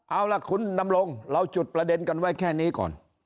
เอาล่ะคุณดำรงเราจุดประเด็นกันไว้แค่นี้ก่อน